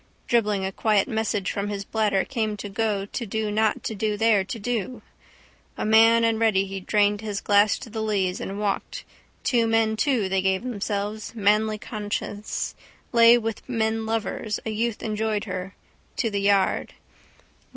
Dribbling a quiet message from his bladder came to go to do not to do there to do. A man and ready he drained his glass to the lees and walked, to men too they gave themselves, manly conscious, lay with men lovers, a youth enjoyed her, to the yard.